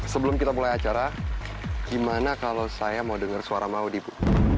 sebelum kita mulai acara gimana kalau saya mau denger suara maud ibu